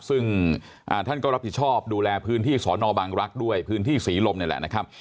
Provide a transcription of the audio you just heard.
ซึ่งท่านก็รับผิดชอบดูแลพื้นที่สอนอบังรักษ์ด้วยพื้นที่ศรีลมนี่แหละนะครับ